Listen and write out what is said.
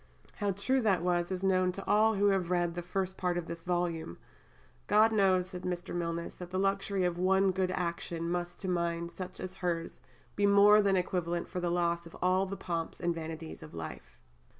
How true that was is known to all who have read the first part of this volume. "God knows," said Mr. Milnes, "that the luxury of one good action must to a mind such as hers be more than equivalent for the loss of all the pomps and vanities of life."